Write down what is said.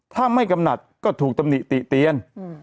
ถ้าไม่กำหนัดก็ถูกตำหนิติเตียน